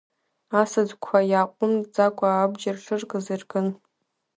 Асаӡқәа иааҟәымҵӡакәа абџьар шыркыз иркын.